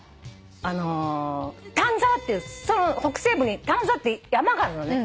丹沢っていう北西部に丹沢って山があるのね。